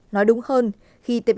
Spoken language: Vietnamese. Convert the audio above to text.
nói đúng hơn khi tpp